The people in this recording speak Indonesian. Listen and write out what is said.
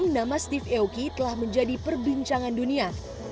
nama steve eoki telah menjadi perbincangan dunia